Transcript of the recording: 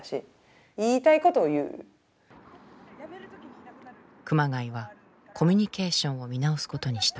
自分たちで熊谷はコミュニケーションを見直すことにした。